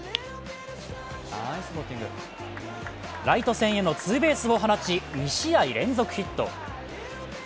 ライト線へのツーベースを放ち２試合連続ヒット。